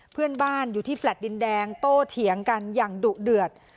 เพื่อนบ้านอยู่ที่แฟลต์ดินแดงโตเถียงกันอย่างดุเดือด